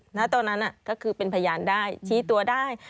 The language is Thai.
ณตอนนั้นก็คือเป็นพยานได้ชี้ตัวได้